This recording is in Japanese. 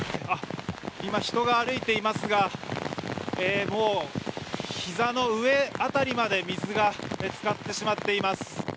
今、人が歩いていますがもう、ひざの上辺りまで水が浸かってしまっています。